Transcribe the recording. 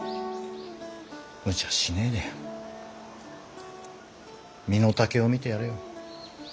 ムチャしねえで身の丈を見てやれよ。